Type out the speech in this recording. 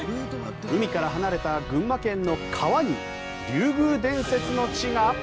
海から離れた群馬県の川に竜宮伝説の地が。